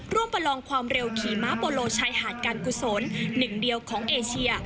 ประลองความเร็วขี่ม้าโปโลชายหาดการกุศลหนึ่งเดียวของเอเชีย